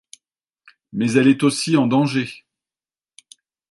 Mais elle est aussi en danger.